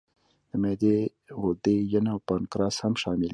د معدې غدې، ینه او پانکراس هم شامل دي.